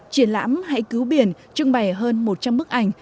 triển lãm hãy cứu biển trưng bày hơn một trăm linh bức ảnh